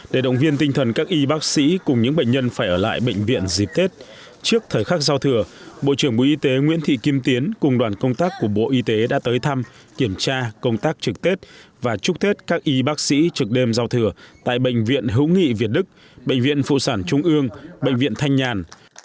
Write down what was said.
để động viên tinh thần các y bác sĩ cùng những bệnh nhân phải ở lại bệnh viện dịp tết trước thời khắc giao thừa bộ trưởng bộ y tế nguyễn thị kim tiến cùng đoàn công tác của bộ y tế đã tới thăm kiểm tra công tác trực tết và chúc tết các y bác sĩ trực đêm giao thừa tại bệnh viện hữu nghị việt đức bệnh viện phụ sản trung ương bệnh viện thanh nhàn